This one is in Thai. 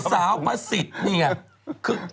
สาวพระสิทธิ์นี่ไง